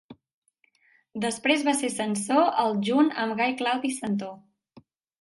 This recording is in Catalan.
Després va ser censor el junt amb Gai Claudi Centó.